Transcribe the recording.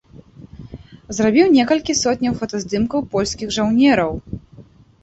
Зрабіў некалькі сотняў фотаздымкаў польскіх жаўнераў.